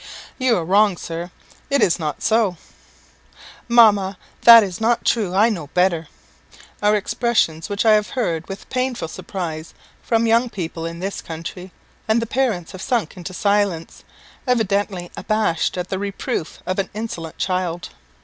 "You are wrong, Sir; it is not so" "Mamma, that is not true; I know better," are expressions which I have heard with painful surprise from young people in this country; and the parents have sunk into silence, evidently abashed at the reproof of an insolent child.